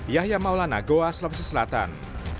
yahya maulana goa sulawesi selatan